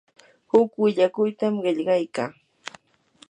huk willakuytam qillqaykaa.